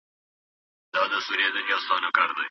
صادق استاد ماشومانو ته د واکسین اخیستلو ګټې تشریح کوي.